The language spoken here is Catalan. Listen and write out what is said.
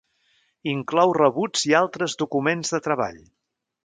Inclou rebuts i altres documents de treball.